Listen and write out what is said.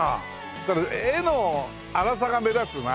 ただ画の荒さが目立つな。